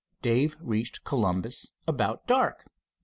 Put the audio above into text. Dave reached Columbus about dark.